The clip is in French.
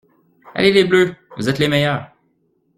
Allez les bleus! Vous êtes les meilleurs !